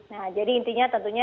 nah jadi intinya tentunya